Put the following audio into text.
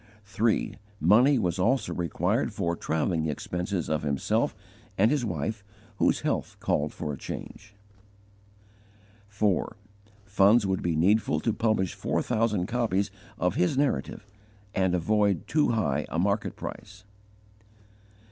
3. Money was also required for travelling expenses of himself and his wife, whose health called for a change. 4. Funds would be needful to publish four thousand copies of his Narrative and avoid too high a market price.